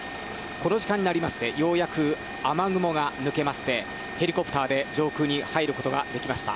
この時間になりましてようやく雨雲が抜けましてヘリコプターで上空に入ることができました。